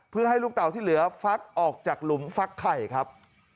เพื่อให้ลูกเต่าที่เหลือฟักออกจากหลุมฟักไข่ครับ